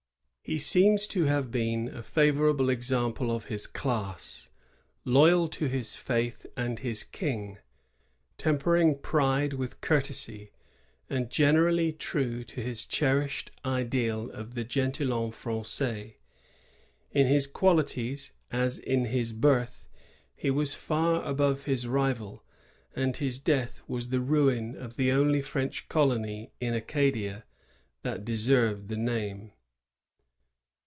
^ He seems to have been a favorable example of his class ; loyal to his faith and his King, tempering pride with cour tesy, and generally true to his cherished ideal of the gentilhomme Frangaia. In his qualities, as in his 'birth, he was far above his rival; and his death was the ruin of the only French colony in Acadia that deserved the name.